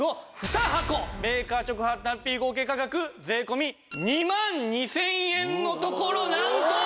メーカー直販単品合計価格税込２万２０００円のところなんと！